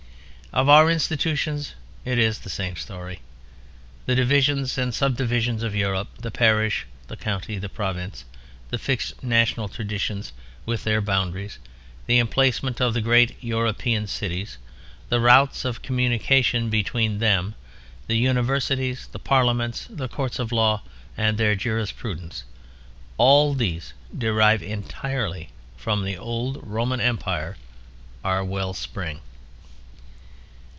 Of our institutions it is the same story. The divisions and the sub divisions of Europe, the parish, the county, the province, the fixed national traditions with their boundaries, the emplacement of the great European cities, the routes of communication between them, the universities, the Parliaments, the Courts of Law, and their jurisprudence, all these derive entirely from the old Roman Empire, our well spring.